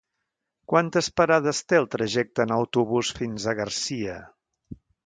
Quantes parades té el trajecte en autobús fins a Garcia?